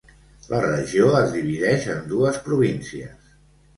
La regió es divideix en dues províncies: